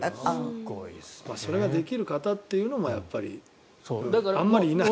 それができる方というのもやっぱりあんまりいない。